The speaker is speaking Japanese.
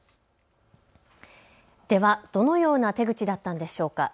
ではどのような手口だったんでしょうか。